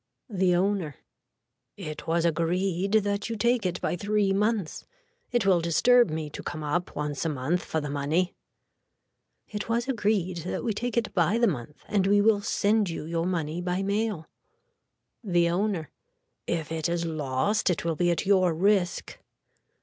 (The owner.) It was agreed that you take it by three months. It will disturb me to come up once a month for the money. It was agreed that we take it by the month and we will send you your money by mail. (The owner.) If it is lost it will be at your risk.